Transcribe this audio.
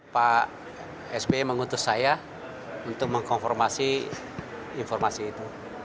pak sby mengutus saya untuk mengkonformasi informasi itu